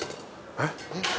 えっ？